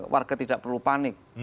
warga tidak perlu panik